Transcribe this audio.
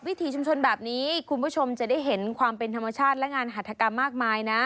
ถีชุมชนแบบนี้คุณผู้ชมจะได้เห็นความเป็นธรรมชาติและงานหัฐกรรมมากมายนะ